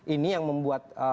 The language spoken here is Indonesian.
ini yang membuat